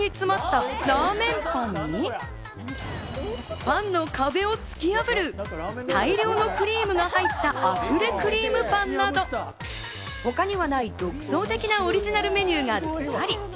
くりぬいた食パンの中にラーメンがパンパンに詰まったラーメンパンに、パンの壁を突き破る大量のクリームが入った、あふれクリームパンなど他にはない独創的なオリジナルメニューばっかり。